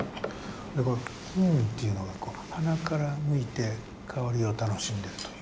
この「ふん」っていうのが鼻から抜いて香りを楽しんでるという。